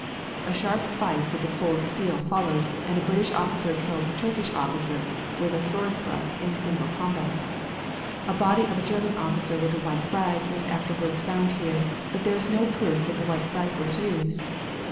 A sharp fight with the cold steel followed, and a British officer killed a Turkish officer with a sword thrust in single combat. A body of a German officer with a white flag was afterward found here, but there is no proof that the white flag was used.